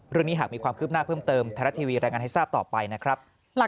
เรื่องนี้หากมีความคืบหน้าเพิ่มเติมไทยรัฐทีวีรายงานให้ทราบต่อไปนะครับ